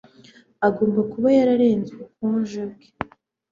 Agomba kuba yararenze ubukonje bwe